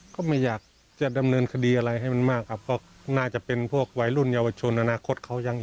ก็ไม่อยากจะดำเนินคดีอะไรให้มันมากครับเพราะน่าจะเป็นพวกวัยรุ่นเยาวชนอนาคตเขายังอยู่